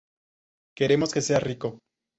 Queremos que seas rico.